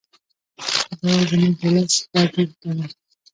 خدایه زموږ ولس را ډېر کړه.